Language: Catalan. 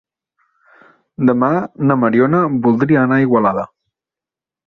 Demà na Mariona voldria anar a Igualada.